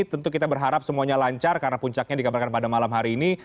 tentu kita berharap semuanya lancar karena puncaknya dikabarkan pada malam hari ini